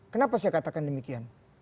kenapa saya katakan demikian